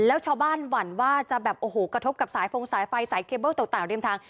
แล้วชาวบ้านหวั่นว่าจะแบบโอ้โหกระทบกับสายฟงสายไฟสายเคเบิ้ลต่างริมทาง